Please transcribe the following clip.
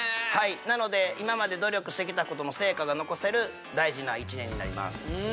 なので今まで努力してきたことの成果が残せる大事な１年になります